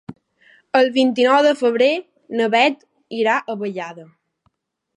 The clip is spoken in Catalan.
El vint-i-nou de febrer na Beth irà a Vallada.